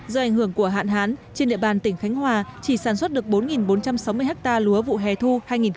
do ảnh hưởng của hạn hán trên địa bàn tỉnh khánh hòa chỉ sản xuất được bốn bốn trăm sáu mươi ha lúa vụ hè thu hai nghìn hai mươi